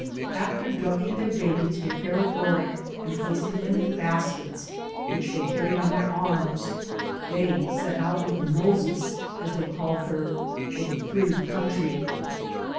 After drugging their babies with paregoric and placing HARRIET TUBMAN [ 95 them in baskets which they carried on their arms, they set out with "Moses", as they called her, for the free country.